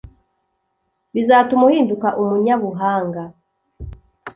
bizatuma uhinduka umunyabuhanga